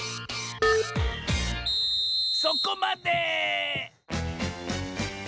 そこまで！